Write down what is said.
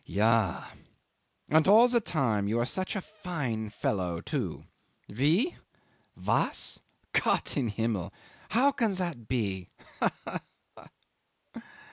... Ja! ... And all the time you are such a fine fellow too! Wie? Was? Gott im Himmel! How can that be? Ha! ha! ha!"